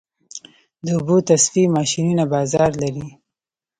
د اوبو تصفیې ماشینونه بازار لري؟